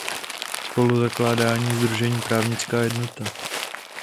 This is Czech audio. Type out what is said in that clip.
Spoluzakládal sdružení "Právnická jednota".